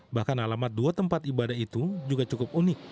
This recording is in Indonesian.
bahkan alamat dua tempat ibadah itu juga cukup unik